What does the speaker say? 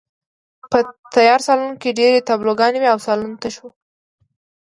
په تیاره سالون کې ډېرې تابلوګانې وې او سالون تش و